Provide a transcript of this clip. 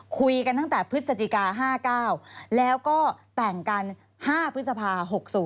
คุยกันตั้งแต่พฤศจิกา๕๙แล้วก็แต่งกัน๕พฤษภา๖๐